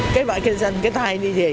cái bãi kênh xanh cái tay như gì